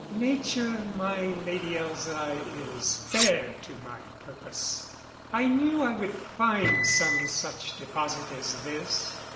"Nature, my Lady Elza, is fair to my purpose. I knew I would find some such deposit as this."